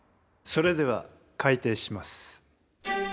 それでは開廷します。